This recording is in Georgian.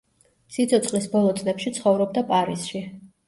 სიცოცხლის ბოლო წლებში ცხოვრობდა პარიზში.